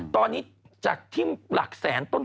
ตอนนี้จากที่หลักแสนต้น